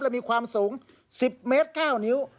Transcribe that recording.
และมีความสูง๑๐เมตร๙นิ้ว